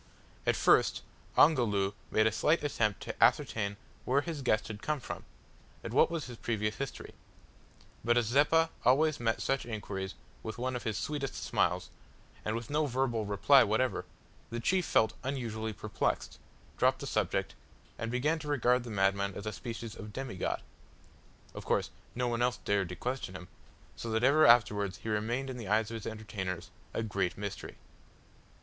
At first Ongoloo made a slight attempt to ascertain where his guest had come from, and what was his previous history, but as Zeppa always met such inquiries with one of his sweetest smiles, and with no verbal reply whatever, the chief felt unusually perplexed, dropped the subject, and began to regard the madman as a species of demigod. Of course no one else dared to question him, so that ever afterwards he remained in the eyes of his entertainers as a "Great Mystery."